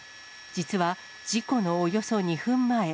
実は、事故のおよそ２分前。